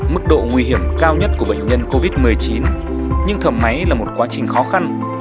mức độ nguy hiểm cao nhất của bệnh nhân covid một mươi chín nhưng thở máy là một quá trình khó khăn